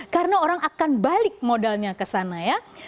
karena orang akan balik modalnya kesana ya